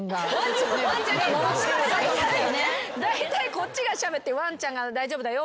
こっちがしゃべってワンちゃんが「大丈夫だよ」